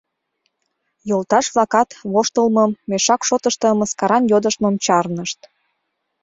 Йолташ-влакат воштылмым, мешак шотышто мыскаран йодыштмым чарнышт.